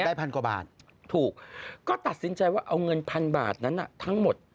ได้๑๐๐๐กว่าบาทถูกก็ตัดสินใจว่าเอาเงิน๑๐๐๐บาทนั้นน่ะทั้งหมด